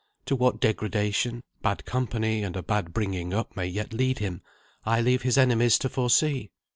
To what degradation, bad company, and a bad bringing up may yet lead him, I leave his enemies to foresee.